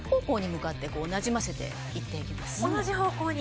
同じ方向に？